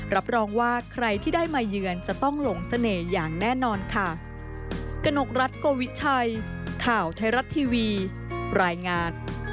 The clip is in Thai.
รับรองว่าใครที่ได้มาเยือนจะต้องหลงเสน่ห์อย่างแน่นอนค่ะ